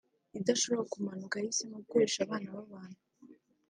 idashobora kumanuka yahisemo gukoresha abana b’abantu